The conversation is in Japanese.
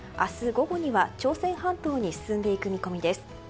午後には朝鮮半島に進んでいく見込みです。